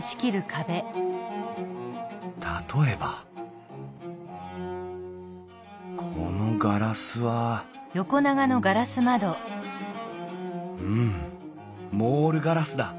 例えばこのガラスはうんモールガラスだ。